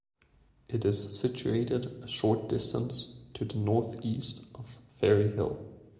It is situated a short distance to the north-east of Ferryhill.